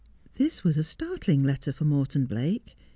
This was a startling letter for Morton Blake.